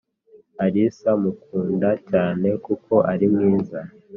alisa mukunda cyane kuko ari mwiza